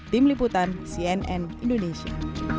tim liputan cnn indonesia